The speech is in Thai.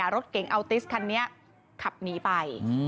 รถเก๋งอัลติสคันนี้ขับหนีไป